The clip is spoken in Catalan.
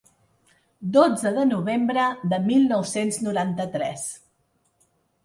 Dotze de novembre de mil nou-cents noranta-tres.